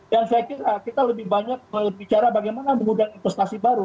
dan saya kira kita lebih banyak bicara bagaimana mengundang investasi baru